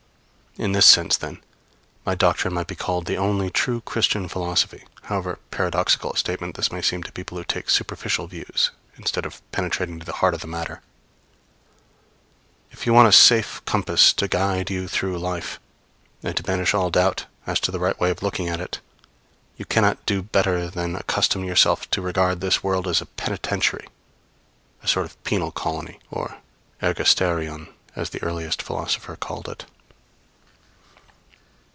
In this sense, then, my doctrine might be called the only true Christian philosophy however paradoxical a statement this may seem to people who take superficial views instead of penetrating to the heart of the matter. [Footnote 1: Cf. Romans vii; Galatians ii, iii.] If you want a safe compass to guide you through life, and to banish all doubt as to the right way of looking at it, you cannot do better than accustom yourself to regard this world as a penitentiary, a sort of a penal colony, or [Greek: ergastaerion] as the earliest philosopher called it.